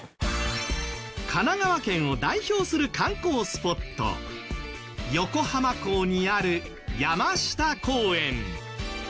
神奈川県を代表する観光スポット横浜港にある山下公園。